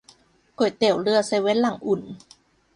ก๋วยเตี๋ยวเรือเซเว่นหลังอุ่น